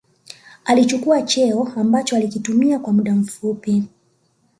alichukua cheo ambacho alikitumia kwa muda mfupi